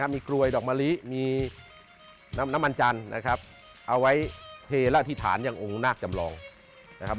มีกลวยดอกมะลิมีน้ำมันจันทร์นะครับเอาไว้เทระอธิษฐานอย่างองค์นาคจำลองนะครับ